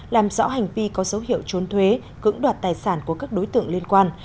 làm rõ hành vi có dấu hiệu trốn thuế cưỡng đoạt tài sản của các đối tượng liên quan